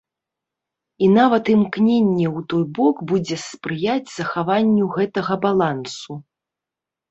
І нават імкненне ў той бок будзе спрыяць захаванню гэтага балансу.